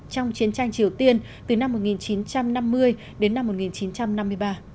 trong chiến tranh triều tiên từ năm một nghìn chín trăm năm mươi đến năm một nghìn chín trăm năm mươi ba